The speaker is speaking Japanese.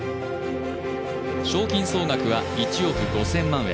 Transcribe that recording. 賞金総額は１億５０００万円。